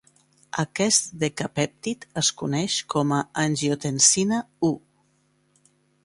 Aquest decapèptid es coneix com a angiotensina I.